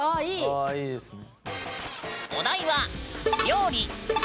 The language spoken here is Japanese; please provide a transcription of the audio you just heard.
ああいいですね。